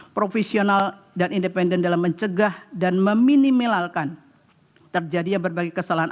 profesional dan independen dalam mencegah dan meminimalkan terjadinya berbagai kesalahan